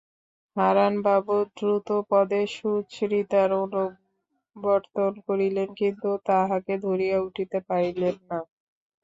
হারানবাবু দ্রুতপদে সুচরিতার অনুবর্তন করিলেন, কিন্তু তাহাকে ধরিয়া উঠিতে পারিলেন না।